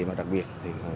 mà đặc biệt